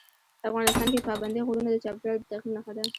افغانستان کې پابندی غرونه د چاپېریال د تغیر نښه ده.